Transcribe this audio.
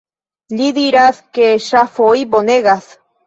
Li diras ke ŝafoj bonegas.